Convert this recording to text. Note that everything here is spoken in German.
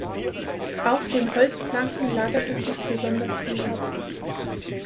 Auf den Holzplanken lagerte sich besonders viel ab.